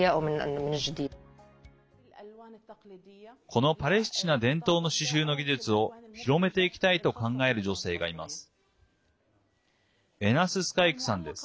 このパレスチナ伝統の刺しゅうの技術を広めていきたいと考える女性がいます。